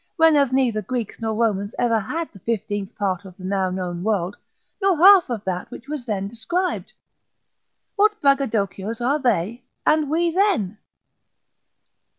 when as neither Greeks nor Romans ever had the fifteenth part of the now known world, nor half of that which was then described. What braggadocios are they and we then?